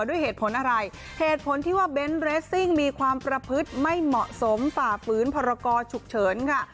ด้วยเหตุผลอะไรเหตุผลที่ว่าเบนท์เรสซิ่งมีความประพฤติไม่เหมาะสมฝ่าฝืนพรกรฉุกเฉินค่ะ